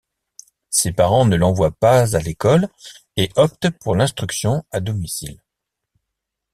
Ses parents ne l'envoient pas à l'école et optent pour l'instruction à domicile.